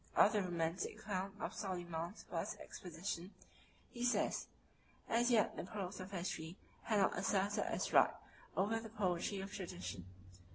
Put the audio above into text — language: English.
Of the romantic account of Soliman's first expedition, he says, "As yet the prose of history had not asserted its right over the poetry of tradition."